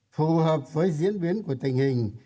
phù hợp với diễn biến của tình hình